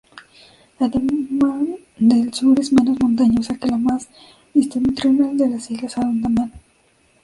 Andamán del Sur es menos montañosa que la más septentrional de las Islas Andamán.